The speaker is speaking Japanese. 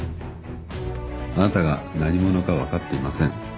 あなたが何者か分かっていません。